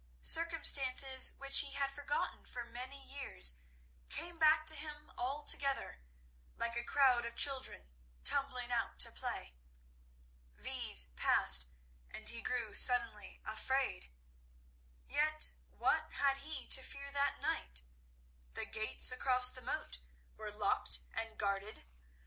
Circumstances which he had forgotten for many years came back to him altogether, like a crowd of children tumbling out to play. These passed, and he grew suddenly afraid. Yet what had he to fear that night? The gates across the moat were locked and guarded.